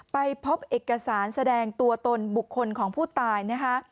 ไปพบเอกสารแสดงตัวตนบุคคลของผู้ตายนะคะ